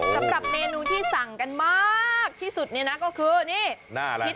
สำหรับเมนูที่สั่งกันมากที่สุดก็คือนี่